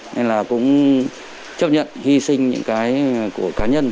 nên là cũng chấp nhận hy sinh những cái của cá nhân